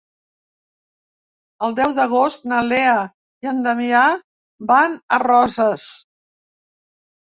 El deu d'agost na Lea i en Damià van a Roses.